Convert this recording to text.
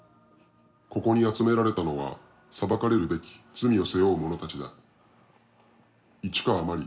ここに集められたのは裁かれるべき罪を背負う者たちだ。